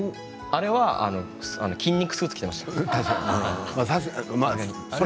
あれは筋肉スーツを着てました。